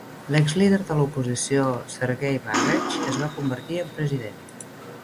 L'exlíder de l'oposició Sergei Bagapsh es va convertir en president.